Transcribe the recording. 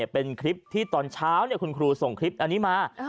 เป็นคลิปที่ตอนเช้าคุณครูส่งคลิปอันนี้มา